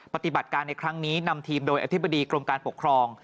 ปฏิบัติการในครั้งนี้นำทีมโดยอธิบดีกรมการปกครอง